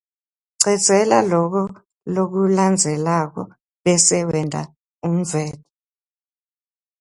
Cedzela loku lokulandzelako bese wenta umdvwebo.